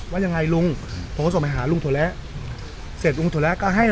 ว่ายังไงลุงผมก็ส่งไปหาลุงโถแล้วเสร็จลุงโถแระก็ให้